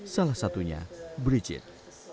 salah satunya brigitte